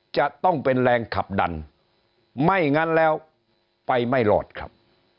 จะต้องเป็นแรงขับดันไม่งั้นแล้วไปไม่รอดครับ